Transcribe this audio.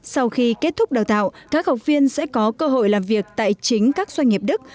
sau khi kết thúc đào tạo các học viên sẽ có cơ hội làm việc tại chính các doanh nghiệp đức